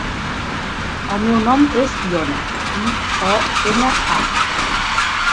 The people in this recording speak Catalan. El meu nom és Iona: i, o, ena, a.